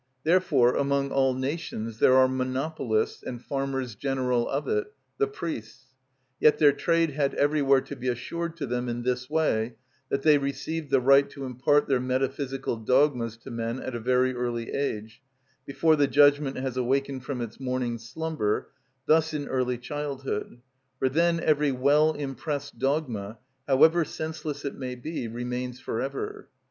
Therefore among all nations there are monopolists and farmers general of it—the priests. Yet their trade had everywhere to be assured to them in this way, that they received the right to impart their metaphysical dogmas to men at a very early age, before the judgment has awakened from its morning slumber, thus in early childhood; for then every well impressed dogma, however senseless it may be, remains for ever.